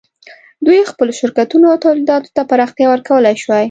دوی خپلو شرکتونو او تولیداتو ته پراختیا ورکولای شوای.